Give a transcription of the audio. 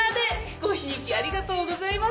ごひいきありがとうございます。